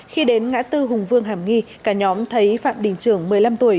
khi đến ngã tư hùng vương hàm nghi cả nhóm thấy phạm đình trưởng một mươi năm tuổi